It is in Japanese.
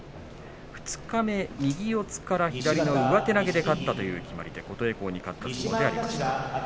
二日目右四つから左の上手投げで勝ったという決まり手琴恵光に勝った相撲でありました。